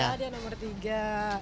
bapak sofra adi nomor tiga